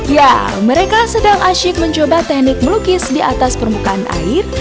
ya mereka sedang asyik mencoba teknik melukis di atas permukaan air